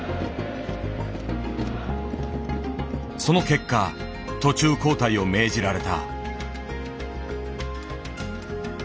その結果途中交代を命じられた。